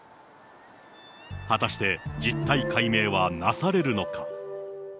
果たして実態解明はなされるのか。